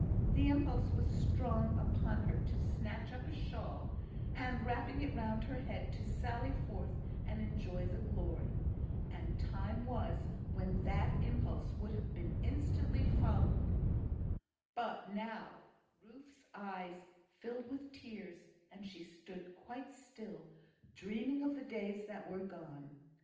The impulse was strong upon her to snatch up a shawl, and wrapping it round her head, to sally forth and enjoy the glory; and time was when that impulse would have been instantly followed; but now, Ruth's eyes filled with tears, and she stood quite still, dreaming of the days that were gone.